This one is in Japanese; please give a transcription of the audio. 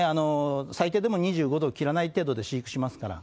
最低でも２５度を切らない程度で飼育しますから。